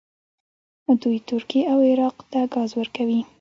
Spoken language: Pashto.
دوی ترکیې او عراق ته ګاز ورکوي.